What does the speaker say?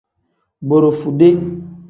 Borofude.